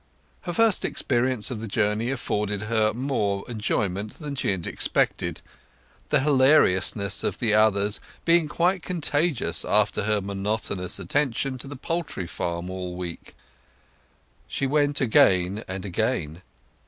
Her first experience of the journey afforded her more enjoyment than she had expected, the hilariousness of the others being quite contagious after her monotonous attention to the poultry farm all the week. She went again and again.